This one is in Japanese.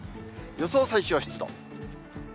予想最小湿度。